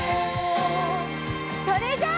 それじゃあ。